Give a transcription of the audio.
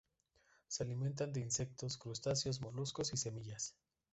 Se alimentan de insectos, crustáceos, moluscos y semillas.